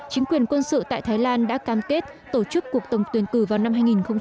chính quyền quân sự tại thái lan đã cam kết tổ chức cuộc tổng tuyển cử vào năm hai nghìn hai mươi